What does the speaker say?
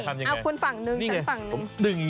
ทำยังไง